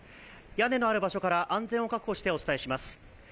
屋根のある場所から安全を確保してお伝えします。